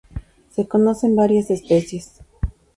Se conocen varias especies.